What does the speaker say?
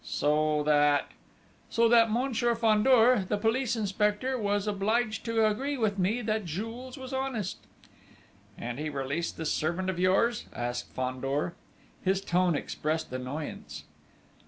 "So that?..." "So that, Monsieur Fandor, the police inspector was obliged to agree with me that Jules was honest!" "And he released this servant of yours?" asked Fandor. His tone expressed annoyance.